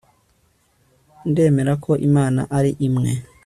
ndemera ko imana ari imwe